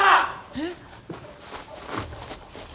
えっ！？